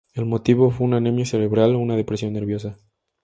El motivo fue una anemia cerebral o una depresión nerviosa.